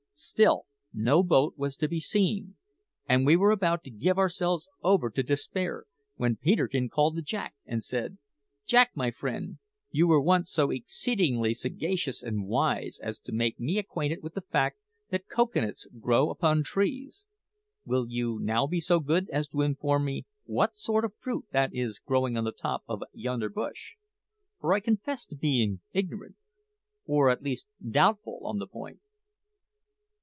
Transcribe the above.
Still no boat was to be seen, and we were about to give ourselves over to despair when Peterkin called to Jack and said: "Jack, my friend, you were once so exceedingly sagacious and wise as to make me acquainted with the fact that cocoa nuts grow upon trees. Will you now be so good as to inform me what sort of fruit that is growing on the top of yonder bush? for I confess to being ignorant, or at least doubtful, on the point."